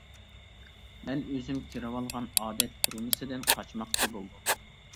مەن ئۆزۈم كىرىۋالغان ئادەت تۈرمىسىدىن قاچماقچى بولدۇم.